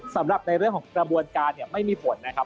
สำหรับในเรื่องของกระบวนการเนี่ยไม่มีผลนะครับ